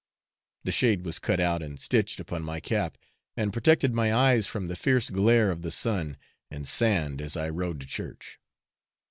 The shade was cut out and stitched upon my cap, and protected my eyes from the fierce glare of the sun and sand as I rode to church.